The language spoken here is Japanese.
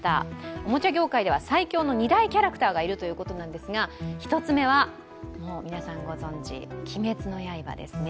おもちゃ業界では最強の２大キャラクターがいるということですが一つ目は、皆さんご存じ、「鬼滅の刃」ですね。